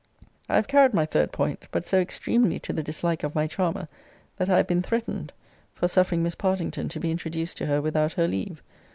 I have carried my third point: but so extremely to the dislike of my charmer, that I have been threatened, for suffering Miss Partington to be introduced to her without her leave.